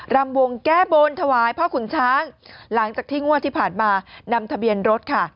รำวงแก้บนถวายพ่อขุนช้างหลังจากที่งวดที่ผ่านมานำทะเบียนรถค่ะ